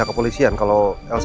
ada proses yang bagus